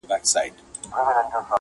واری د تېراه دی ورپسې مو خیبرونه دي،